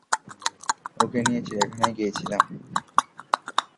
ওকে নিয়ে চিড়িয়াখানায় গিয়েছিলাম!